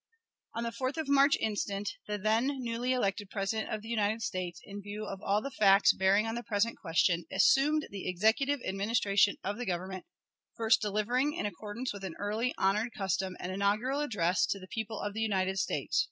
On the 4th of March instant, the then newly elected President of the United States, in view of all the facts bearing on the present question, assumed the Executive Administration of the Government, first delivering, in accordance with an early, honored custom, an inaugural address to the people of the United States.